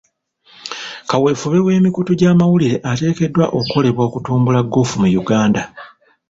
Kaweefube w'emikutu gy'amawulire ateekeddwa okukolebwa okutumbula ggoofu mu Uganda.